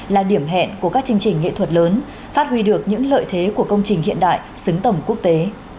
là điểm hẹn của các chương trình nghệ thuật lớn phát huy được những lợi thế của công trình hiện đại xứng tầm quốc tế